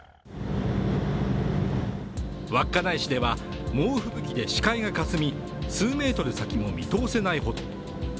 稚内市では、猛吹雪で視界がかすみ数メートル先も見通せないほど。